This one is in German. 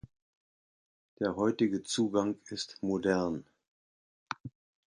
Der heutige Zugang ist modern.